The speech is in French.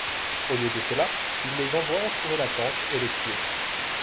Au lieu de cela il les envoie entourer la tente et le tuer.